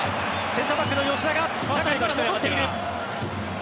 センターバックの吉田が中へと戻ってくる。